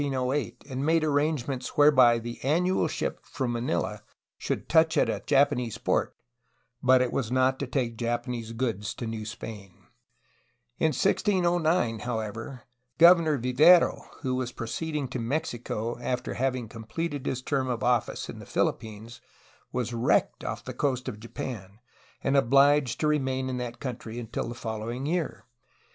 Will Adams |was sent to Manila in 1608, and made arrangements whereby the annual ship from Manila should touch at a Japanese port, but it was not to take Japanese goods to New Spain. In 1609, however. Governor Vivero, who was proceeding to Mexico after having completed his term of office in the Philippines, was wrecked off the coast of Japan, and obliged to remain in that country until the following year.